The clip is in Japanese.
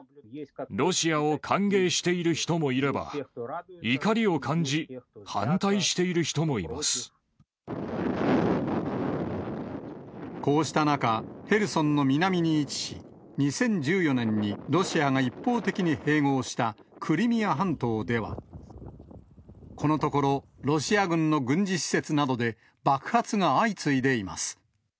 ロシアを歓迎している人もいれば、怒りを感じ、反対している人もいこうした中、ヘルソンの南に位置し、２０１４年にロシアが一方的に併合したクリミア半島では、このところ、ロシア軍の軍事施設などで爆発が相次いでいます。